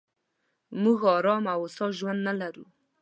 موږ ارام او هوسا ژوند نه لرو.